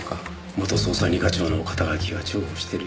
元捜査２課長の肩書は重宝してるよ。